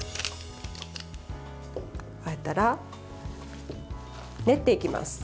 加えたら練っていきます。